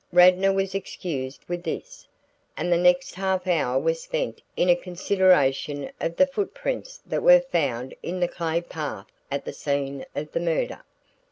Radnor was excused with this, and the next half hour was spent in a consideration of the foot prints that were found in the clay path at the scene of the murder.